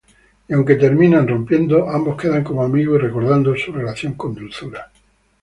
Y aunque terminan rompiendo, ambos quedan como amigos y recordando su relación con dulzura.